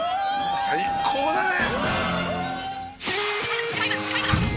「最高だね」